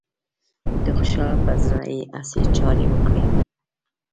د خوشحال پر زړه يې هسې چارې وکړې